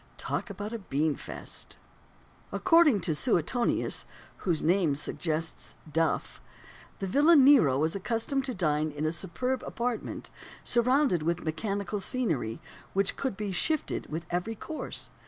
Talk about a bean feast! According to Suetonius (whose name suggests "duff") the villain Nero was accustomed to dine in a superb apartment, surrounded with mechanical scenery, which could be "shifted" with every course.